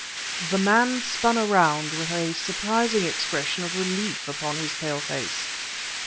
The man spun around with a surprising expression of relief upon his pale face.